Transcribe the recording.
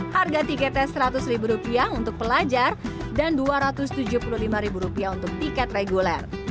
harga tiketnya seratus rupiah untuk pelajar dan dua ratus tujuh puluh lima rupiah untuk tiket reguler